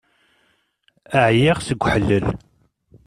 Ɛyiɣ seg uḥellel.